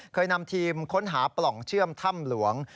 เคยนำทีมค้นหาปล่องเชื่อมถ้ำหลวง